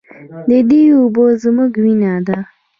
د دې اوبه زموږ وینه ده؟